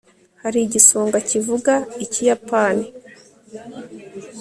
hari igisonga kivuga ikiyapani